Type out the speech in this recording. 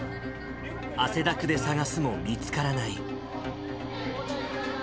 汗だくで探すも見つからない。